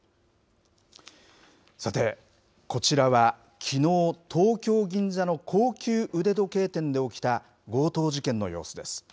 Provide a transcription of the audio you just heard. さて、こちらはきのう東京・銀座の高級腕時計店で起きた強盗事件の様子です。